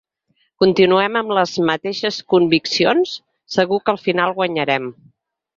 Continuem amb les mateixes conviccions, segur que al final guanyarem.